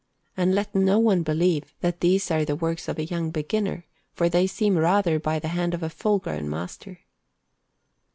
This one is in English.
And let no one believe that these are works of a young beginner, for they seem to be rather by the hand of a full grown master.